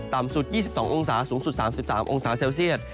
สุด๒๒องศาสูงสุด๓๓องศาเซลเซียต